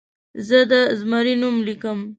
زه د زمري نوم لیکم.